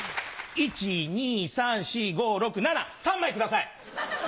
１・２・３・４・５・６・７３枚ください！